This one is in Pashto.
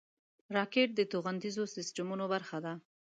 راکټ د توغندیزو سیسټمونو برخه ده